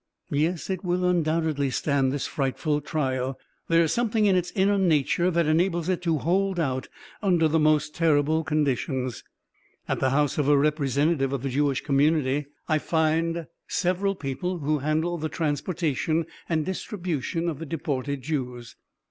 Yes, it will undoubtedly stand this frightful trial. There is something in its inner nature that enables it to hold out under the most terrible conditions. At the house of a representative of the Jewish community, I find several people who handle the transportation and distribution of the deported Jews.